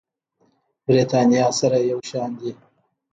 برېتانيا سره یو شان دي.